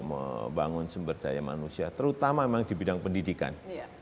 membangun sumber daya manusia terutama memang di bidang pendidikan